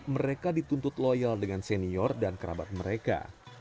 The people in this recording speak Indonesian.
mereka dituntut loyal dengan senior dan kerabat mereka